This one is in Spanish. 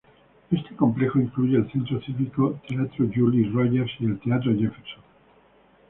Este complejo incluye el Centro Cívico, Teatro Julie Rogers y el Teatro Jefferson.